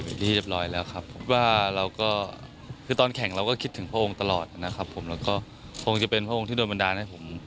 มีเดี๋ยวรอญแล้วครับว่าเราก็คือตอนแข่งเราก็คิดถึงพระองค์ตลอดนะครับผมแล้วก็พลงชื่อเป็นโตนบรรไดนา